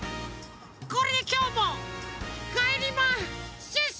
これできょうもかえりまシュッシュ！